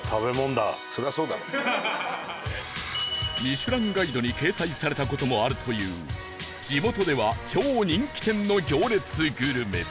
『ミシュランガイド』に掲載された事もあるという地元では超人気店の行列グルメ